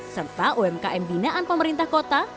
serta umkm binaan pemerintah kota